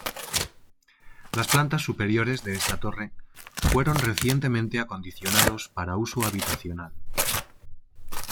Las plantas superiores de esta torre fueron recientemente acondicionados para uso habitacional.